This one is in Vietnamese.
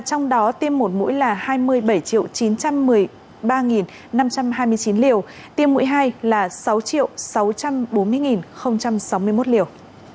trong đó tiêm một mũi là hai mươi bảy chín trăm một mươi ba năm trăm hai mươi chín liều tiêm mũi hai là sáu sáu trăm bốn mươi sáu mươi một liều